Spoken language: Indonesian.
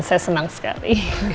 saya senang sekali